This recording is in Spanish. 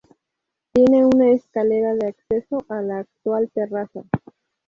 Tiene una escalera de acceso a la actual terraza.